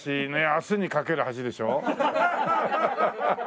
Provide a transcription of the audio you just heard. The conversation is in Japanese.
『明日に架ける橋』でしょ？